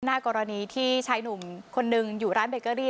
กรณีที่ชายหนุ่มคนหนึ่งอยู่ร้านเบเกอรี่